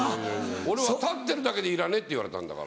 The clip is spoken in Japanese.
俺は立ってるだけで「いらねえ」って言われたんだから。